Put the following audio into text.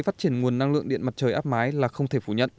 phát triển nguồn năng lượng điện mặt trời áp mái là không thể phủ nhận